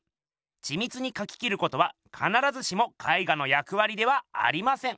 ちみつにかき切ることはかならずしも絵画の役わりではありません！